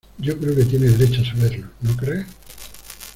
yo creo que tiene derecho a saberlo. ¿ no crees?